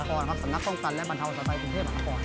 สำนักกล้องตันและบรรทาวน์สไตรกรุงเทพภารกร